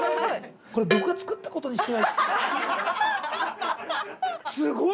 これ、僕が作ったことにしてすごい！